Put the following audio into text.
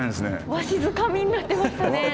わしづかみになってましたね。